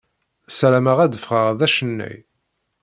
Sarameɣ ad d-ffɣeɣ d acennay.